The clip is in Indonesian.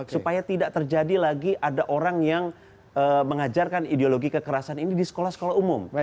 supaya tidak terjadi lagi ada orang yang mengajarkan ideologi kekerasan ini di sekolah sekolah umum